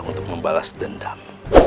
untuk membalas dendam